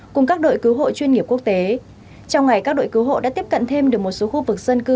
cùng các đội cứu hộ chuyên nghiệp quốc tế trong ngày các đội cứu hộ đã tiếp cận thêm được một số khu vực dân cư